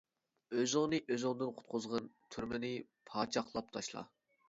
ئۆزۈڭنى ئۆزۈڭدىن قۇتقۇزغىن، تۈرمىنى پاچاقلاپ تاشلا!